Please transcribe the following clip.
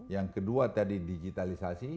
yang kedua tadi digitalisasi